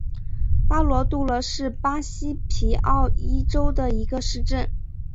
巴罗杜罗是巴西皮奥伊州的一个市镇。